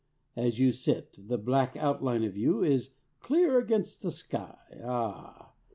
As you sit, the black outline of you is clear against the sky. Ah!